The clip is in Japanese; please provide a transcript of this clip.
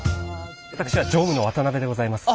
私は常務の渡邊でございます。